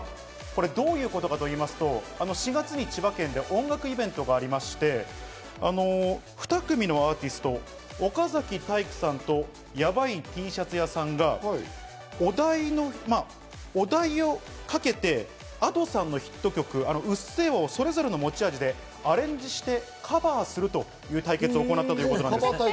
これ、どういうことかといいますと、４月に千葉県で音楽イベントがありまして、２組のアーティスト、岡崎体育さんとヤバイＴシャツ屋さんが、お題をかけてＡｄｏさんのヒット曲『うっせぇわ』をそれぞれの持ち味でアレンジしてカバーするという対決を行ったということなんです。